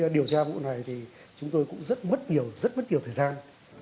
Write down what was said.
điều tra vụ này thì chúng tôi cũng rất mất nhiều thời gian